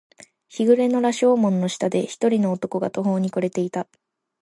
日暮れの羅生門の下で、一人の男が途方に暮れていた。